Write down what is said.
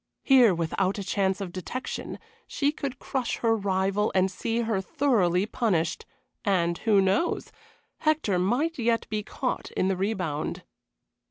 Here, without a chance of detection, she could crush her rival and see her thoroughly punished, and who knows? Hector might yet be caught in the rebound.